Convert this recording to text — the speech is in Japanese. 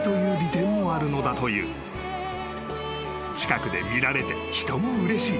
［近くで見られて人もうれしい］